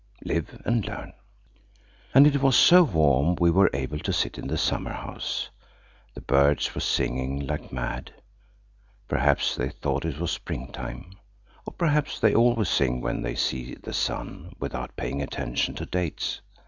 Live and learn.) And it was so warm we were able to sit in the summer house. The birds were singing like mad. Perhaps they thought it was springtime. Or perhaps they always sing when they see the sun, without paying attention to dates.